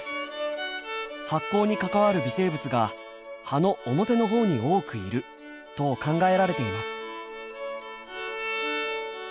発酵に関わる微生物が葉の表のほうに多くいると考えられています。